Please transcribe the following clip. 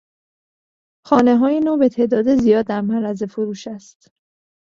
خانههای نو به تعداد زیاد در معرض فروش است.